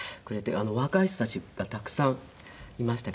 若い人たちがたくさんいましたけど。